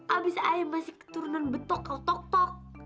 abis ayah masih keturunan betok atau tok tok